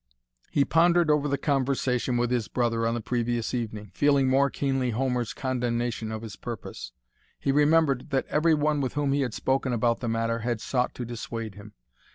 He pondered over the conversation with his brother on the previous evening, feeling more keenly Homer's condemnation of his purpose. He remembered that every one with whom he had spoken about the matter had sought to dissuade him.